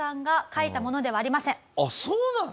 あっそうなの？